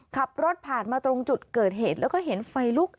ขับรถผ่านมาตรงจุดเกิดเหตุแล้วก็เห็นไฟลุก